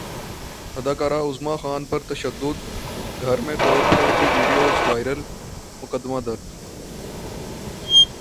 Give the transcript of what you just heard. اداکارہ عظمی خان پر تشدد گھر میں توڑ پھوڑ کی ویڈیوز وائرل مقدمہ درج